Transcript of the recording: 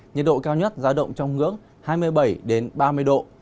nhiệt độ cao nhất ra động trong hướng hai mươi bảy ba mươi độ